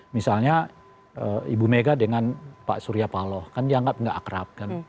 misalnya ibu mega dengan pak surya paloh kan dianggap nggak akrab kan